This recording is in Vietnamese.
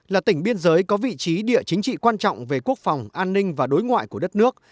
là tỉnh biên giới có vị trí địa chính trị quan trọng về quốc phòng an ninh và đối ngoại của đất nước